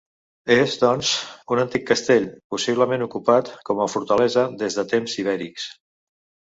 És, doncs, un antic castell, possiblement ocupat com a fortalesa des de temps ibèrics.